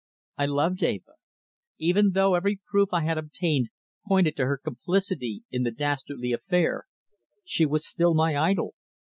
I loved Eva. Even though every proof I had obtained pointed to her complicity in the dastardly affair, she was still my idol.